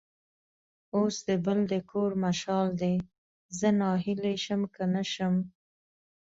اوس د بل د کور مشال دی؛ زه ناهیلی شم که نه شم.